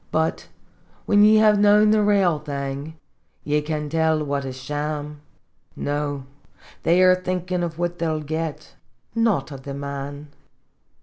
But whin ye have known the rale thing, ye can tell what is sham. No, they are thinkin' of what they '11 git, not of the man.